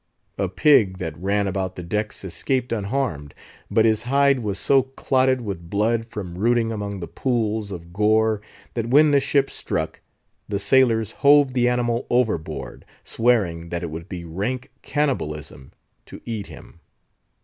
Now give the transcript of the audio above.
A pig that ran about the decks escaped unharmed, but his hide was so clotted with blood, from rooting among the pools of gore, that when the ship struck the sailors hove the animal overboard, swearing that it would be rank cannibalism to eat him."